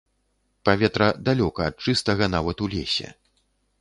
Паветра далёка ад чыстага нават у лесе.